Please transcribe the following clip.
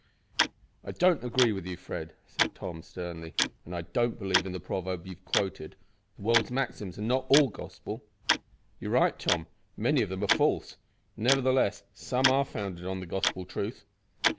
"I don't agree with you, Fred," said Tom, sternly; "and I don't believe in the proverb you have quoted. The world's maxims are not all gospel." "You are right, Tom; many of them are false; nevertheless, some are founded on gospel truth."